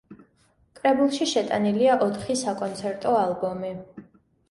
კრებულში შეტანილია ოთხი საკონცერტო ალბომი.